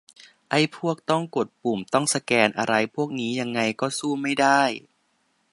ไอ้พวกต้องกดปุ่ม ต้องสแกน อะไรพวกนี้ยังไงก็สู้ไม่ได้